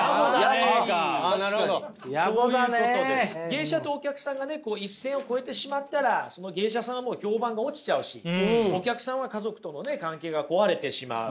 芸者とお客さんがね一線を越えてしまったらその芸者さんはもう評判が落ちちゃうしお客さんは家族とのね関係が壊れてしまう。